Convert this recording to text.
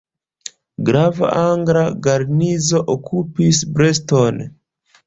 Grava angla garnizono okupis Brest-on.